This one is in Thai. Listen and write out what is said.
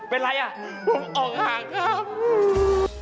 เป็นอะไรเอาออกฉากครับ